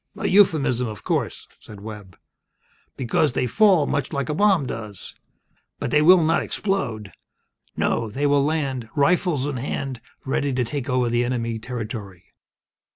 "A euphemism, of course," said Webb. "Because they will fall much like a bomb does. But they will not explode! No, they will land, rifles in hand, ready to take over the enemy territory."